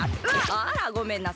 あらごめんなさい。